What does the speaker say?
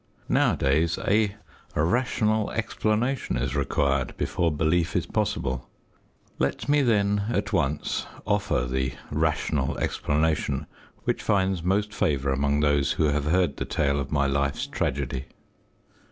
Nowadays a "rational explanation" is required before belief is possible. Let me then, at once, offer the "rational explanation" which finds most favour among those who have heard the tale of my life's tragedy.